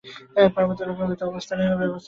পার্বত্য এলাকাগুলোয় অবস্থানের ব্যবস্থা করা হয়েছে।